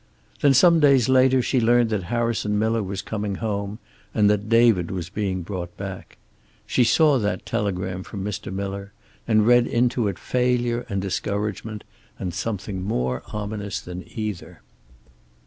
Then, some days later, she learned that Harrison Miller was coming home, and that David was being brought back. She saw that telegram from Mr. Miller, and read into it failure and discouragement, and something more ominous than either.